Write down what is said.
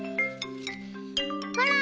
ほら！